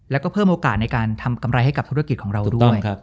แล้วก็เพิ่มโอกาสในการทำกำไรให้กับธุรกิจของเราด้วย